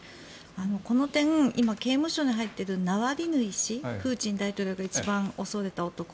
この点、今刑務所に入っているナワリヌイ氏プーチン大統領が一番恐れた男。